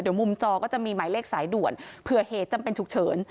เดี๋ยวมุมจอก็จะมีหมายเลขสายด่วนเผื่อเหตุจำเป็นฉุกเฉิน